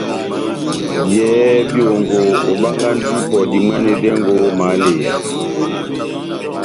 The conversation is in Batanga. Yɛhɛ byongo, obangahi ipɔ dimwanedɛngo ó mahaleya.